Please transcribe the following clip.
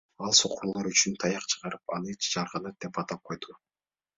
Ал сокурлар үчүн таяк чыгарып, аны Жарганат деп атап койду.